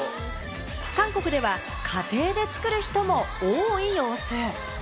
韓国では家庭で作る人も多い様子。